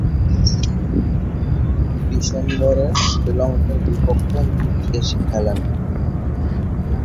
ডিসেম্বরে শ্রীলঙ্কার বিপক্ষে নিজদেশে খেলেন।